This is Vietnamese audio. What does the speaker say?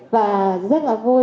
và rất là vui